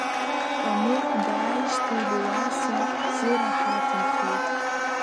Камыгә дааижьҭеи Леуарса дзыраҳаҭымхеит.